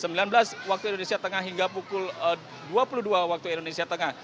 pukul sembilan belas waktu indonesia tengah hingga pukul dua puluh dua waktu indonesia tengah